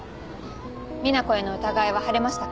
みな子への疑いは晴れましたか？